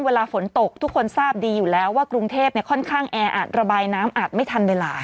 เวลาฝนตกทุกคนทราบดีอยู่แล้วว่ากรุงเทพค่อนข้างแออัดระบายน้ำอาจไม่ทันเวลา